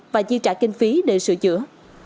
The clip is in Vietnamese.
và chi trả kinh phí để sửa chữa